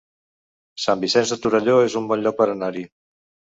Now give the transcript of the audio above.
Sant Vicenç de Torelló es un bon lloc per anar-hi